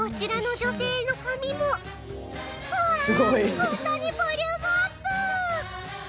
本当にボリュームアップ。